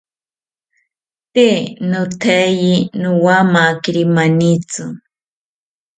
Tee nothaye nowamakiri manitzi